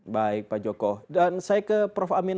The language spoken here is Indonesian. baik pak joko dan saya ke prof amin